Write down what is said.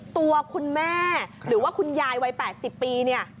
ตัวคุณแม่หรือว่าคุณยายวัย๘๐ปีเนี่ย